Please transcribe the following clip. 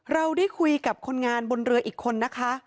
เราได้คุยกับคนงานบนเรืออีกคนนะคะ